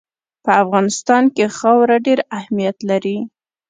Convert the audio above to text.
په افغانستان کې خاوره ډېر اهمیت لري.